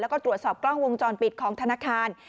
แล้วก็ตรวจสอบกล้องวงจรปิดของธนาคาร